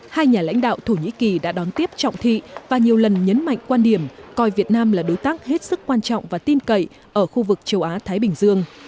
hai nhà lãnh đạo thổ nhĩ kỳ đã đón tiếp trọng thị và nhiều lần nhấn mạnh quan điểm coi việt nam là đối tác hết sức quan trọng và tin cậy ở khu vực châu á thái bình dương